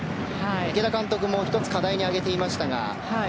池田監督も１つ課題に挙げていましたが。